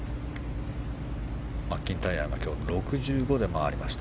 マッキンタイヤは今日、６５で回りました。